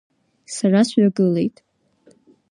Сара сҩагылеит.